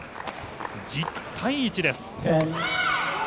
１０対１です。